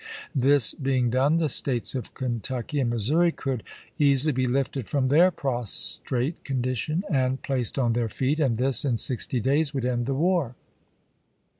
This being done, the States of Kentucky and Missouri could ^jjoj^pg^j, easily be lifted from their prostrate condition and Benjainm. placed on their feet, and this, in sixty days, ^is.^'coT' would end the war."